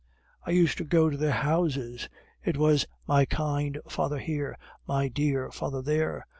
I used to go to their houses: it was 'My kind father' here, 'My dear father' there.